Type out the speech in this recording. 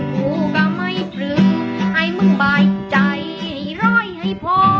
กูก็ไม่ลืมให้มึงบ่ายใจหรือร้อยให้พอ